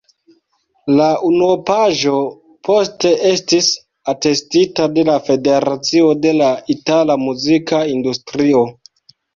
La unuopaĵo poste estis atestita de la Federacio de la Itala Muzika Industrio.